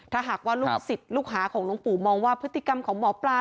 ถ้าหากว่าลูกศิษย์ลูกหาของหลวงปู่มองว่าพฤติกรรมของหมอปลา